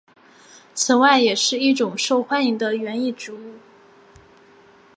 此外也是一种受欢迎的园艺植物。